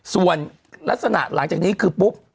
ส่วนลักษณะหลังจากนี้คือปุ๊บ